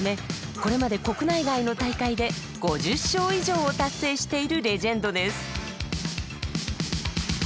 これまで国内外の大会で５０勝以上を達成しているレジェンドです。